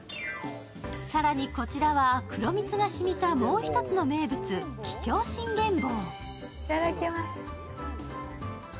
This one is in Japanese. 更にこちらは黒蜜が染みたもう一つの名物、桔梗信玄棒。